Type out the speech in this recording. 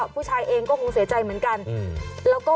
ผู้ชายเองก็คงเสียใจเหมือนกัน